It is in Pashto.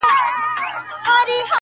کوم ارزښت توليد کېږی